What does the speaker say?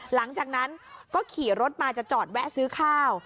หลังจากนั้นก็ขี่รถมาจะจอดแวะซื้อข้าว